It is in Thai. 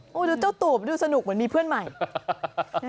โอ้โหดูเจ้าตูบดูสนุกเหมือนมีเพื่อนใหม่